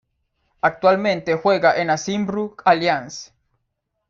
Actualmente juega en la Cymru Alliance.